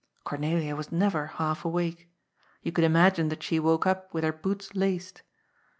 Cornelia was neyer half awake. You could imagine that she woke up with her boots laced.